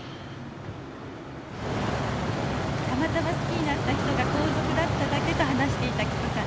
たまたま好きになった人が皇族だっただけと話していた紀子さん。